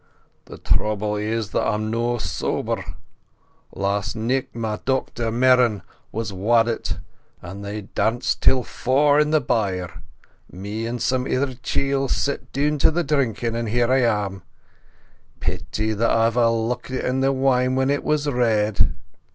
"The trouble is that I'm no sober. Last nicht my dochter Merran was waddit, and they danced till fower in the byre. Me and some ither chiels sat down to the drinkin', and here I am. Peety that I ever lookit on the wine when it was red!"